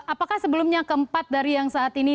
apakah sebelumnya keempat dari yang saat ini